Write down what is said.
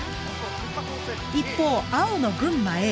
一方青の群馬Ａ